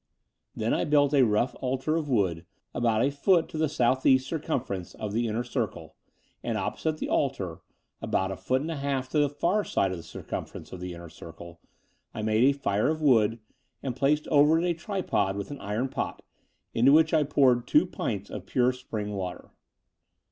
Then I built a rough altar of wood, about a foot to the south east circumference of the inner circle: and opposite the altar, about a foot and a half to the far side of the circumference of the inner circle, I made a fire of wood, and placed over it a tripod with an iron pot, into which I poured two pints of pure spring water.